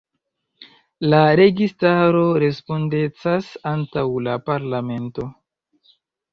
La registaro respondecas antaŭ la parlamento.